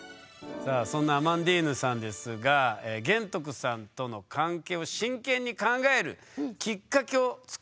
さあそんなアマンディーヌさんですが玄徳さんとの関係を真剣に考えるきっかけを作った人がいたそうです。